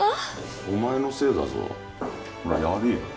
お前のせいだぞおらやれよ